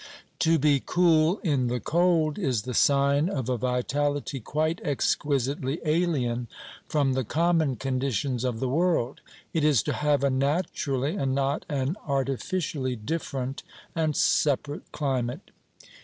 To be cool in the cold is the sign of a vitality quite exquisitely alien from the common conditions of the world. It is to have a naturally, and not an artificially, different and separate climate.